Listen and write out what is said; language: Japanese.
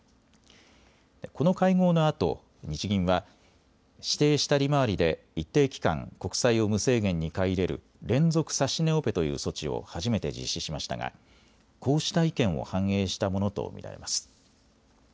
この会合のあと日銀は指定した利回りで一定期間、国債を無制限に買い入れる連続指値オペという措置を初めて実施しましたがこうした意見を反映したものと見られます。